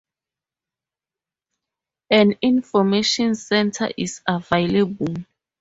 An information centre is available.